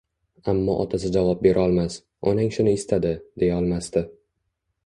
Ammo otasi javob berolmas, Onang shuni istadi, deyolmasdi